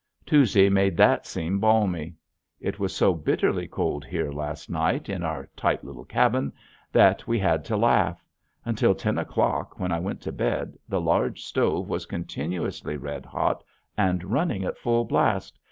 Tuesday made that seem balmy. It was so bitterly cold here last night in our "tight little cabin" that we had to laugh. Until ten o'clock when I went to bed the large stove was continuously red hot and running at full blast.